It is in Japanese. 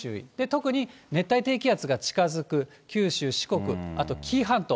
特に熱帯低気圧が近づく九州、四国、あと紀伊半島。